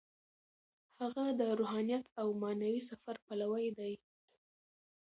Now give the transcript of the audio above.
هغه د روحانیت او معنوي سفر پلوی دی.